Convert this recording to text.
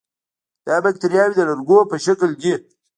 دا باکتریاوې د لرګو په شکل دي.